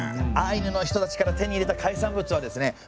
アイヌの人たちから手に入れた海産物はですね